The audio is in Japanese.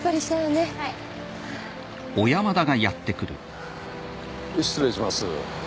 はい失礼します